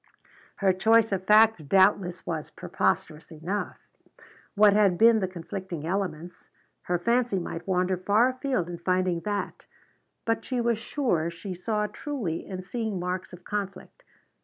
Her choice of facts doubtless was preposterous enough; what had been the conflicting elements her fancy might wander far afield in finding that. But she was sure she saw truly in seeing marks of conflict.